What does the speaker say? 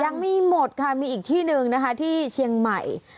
ยังไม่หมดค่ะมีอีกที่หนึ่งนะคะที่เชียงใหม่